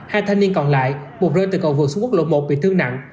hai thanh niên còn lại một rơi từ cầu vực xuống quốc lộ một bị thương nặng